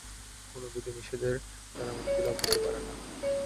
কোন বিধি-নিষেধের দ্বারা মুক্তিলাভ হতে পারে না।